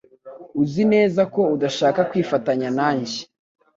Uzi neza ko udashaka kwifatanya nanjye